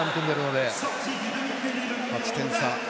８点差。